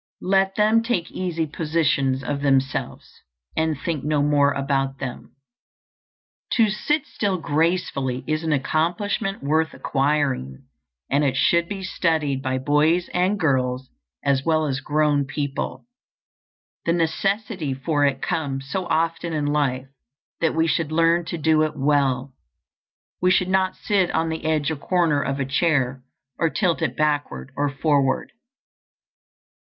Let them take easy positions of themselves, and think no more about them. To sit still gracefully is an accomplishment worth acquiring, and it should be studied by boys and girls as well as grown people. The necessity for it comes so often in life that we should learn to do it well. We should not sit on the edge or corner of a chair, or tilt it backward or forward.